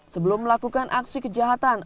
sebelum melakukan aksi kejahatan